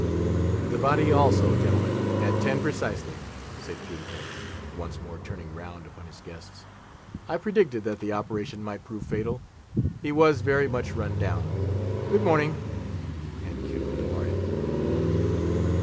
"The body also, gentlemen, at ten precisely," said Cuticle, once more turning round upon his guests. "I predicted that the operation might prove fatal; he was very much run down. Good morning;" and Cuticle departed.